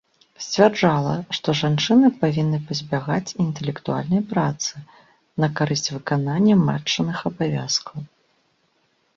Сцвярджала, што жанчыны павінны пазбягаць інтэлектуальнай працы, на карысць выканання матчыных абавязкаў.